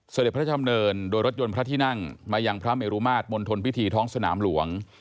เสด็จพระราชดำเนินโดยรถยนต์พระที่นั่งมายังพระเมรุมาตรมณฑลพิธีท้องสนามหลวง